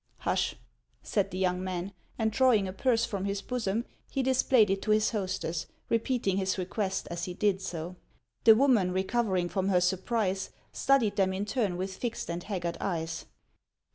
"Hush!" said the young man; and drawing a purse from his bosom, lie displayed it to his hostess, repeating his request as he did so. The woman, recovering from her surprise, studied them in turn with fixed and haggard eyes.